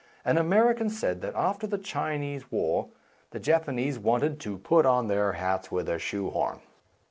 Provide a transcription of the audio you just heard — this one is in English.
An American said that after the Chinese War the Japanese wanted '* to put on their hats with a shoe horn."